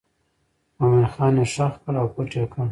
مومن خان یې ښخ کړ او پټ یې کړ.